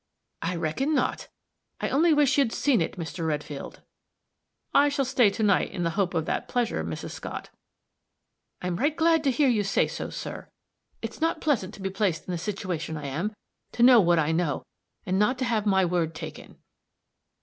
"I reckon not. I only wish you'd seen it, Mr. Redfield." "I shall stay to night in the hope of that pleasure, Mrs. Scott." "I'm right glad to hear you say so, sir. It's not pleasant to be placed in the situation I am to know what I know, and not to have my word taken."